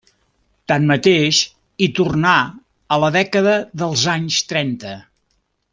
Tanmateix, hi tornà a la dècada dels anys trenta.